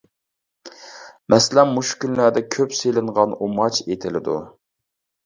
مەسىلەن: مۇشۇ كۈنلەردە كۆپ سېلىنغان ئۇماچ ئېتىلىدۇ.